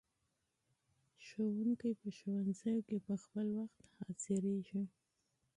ښوونکي په ښوونځیو کې په خپل وخت حاضریږي.